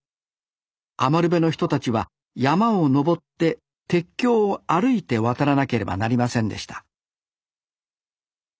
余部の人たちは山を登って鉄橋を歩いて渡らなければなりませんでした